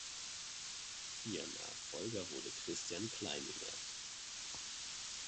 Ihr Nachfolger wurde Christian Kleiminger.